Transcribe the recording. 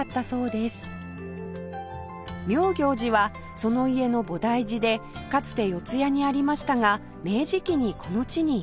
妙行寺はその家の菩提寺でかつて四谷にありましたが明治期にこの地に移転